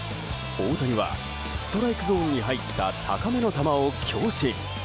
大谷はストライクゾーンに入った高めの球を強振。